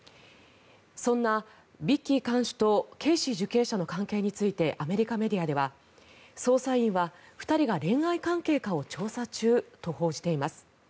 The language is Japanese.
そんなビッキー看守とケイシー受刑者の関係についてアメリカメディアでは捜査員は２人が恋愛関係かを調査中と報じています。